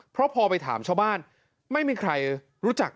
เพราะพอไปถามชาวบ้านไม่มีใครรู้จัก